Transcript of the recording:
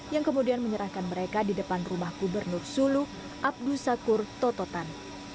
yang kemudian menyerahkan mereka di depan rumah gubernur sulu abdu sakur tototan